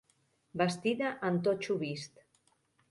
Bastida en totxo vist.